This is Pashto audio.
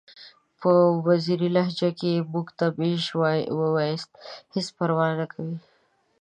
په وزیري لهجه کې که موږ ته میژ ووایاست هیڅ پروا نکوي!